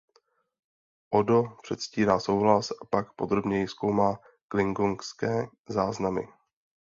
Odo předstírá souhlas a pak podrobněji zkoumá klingonské záznamy.